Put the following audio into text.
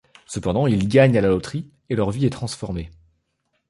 Cependant, ils gagnent à la loterie et leur vie est transformée.